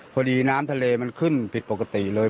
พอดีน้ำทะเลมันขึ้นผิดปกติเลย